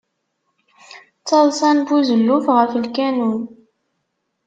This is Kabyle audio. D taḍsa n buzelluf ɣef lkanun.